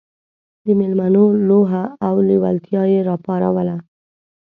د مېلمنو لوهه او لېوالتیا یې راپاروله.